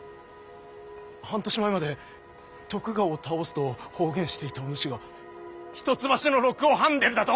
半年前まで徳川を倒すと放言していたお主が一橋の禄を食んでるだと？